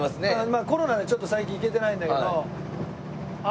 まあコロナでちょっと最近行けてないんだけど。